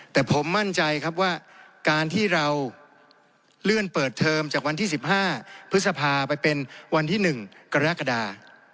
แต่ผมมั่นใจครับว่าการที่เราเลื่อนเปิดเทอมจากวันที่๑๕พฤษภาไปเป็นวันที่๑กรกฎา